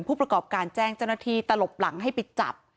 ผู้ประกอบการแจ้งเจ้าหน้าที่ตลบหลังให้ไปจับ